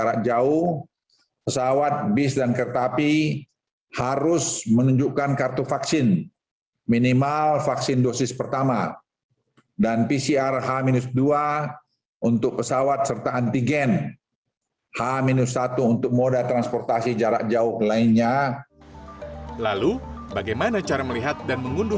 lalu bagaimana cara melihat dan mengunduh sertifikat vaksinasi covid sembilan belas